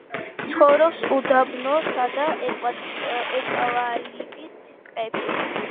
ცხოვრობს უდაბნოსა და ევკალიპტის ტყეებში.